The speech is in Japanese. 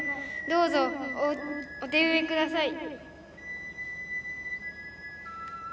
どうぞお手植えください。